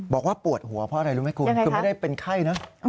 บอกว่าปวดหัวเพราะอะไรรู้ไหมคุณคือไม่ได้เป็นไข้นะ